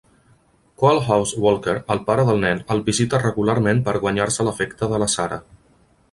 Coalhouse Walker, el pare del nen, el visita regularment per guanyar-se l'afecte de la Sarah.